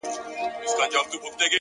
لوړ انسان د نورو ارزښت پېژني!